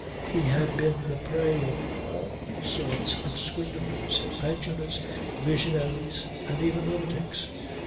He had been the prey of all sorts of swindlers, adventurers, visionaries and even lunatics.